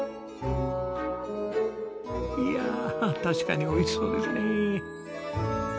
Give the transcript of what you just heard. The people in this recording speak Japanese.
いや確かにおいしそうですね。